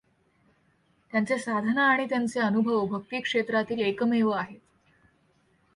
त्यांचे साधना आणि त्यांचे अनुभव भक्ती क्षेत्रातील एकमेव आहेत.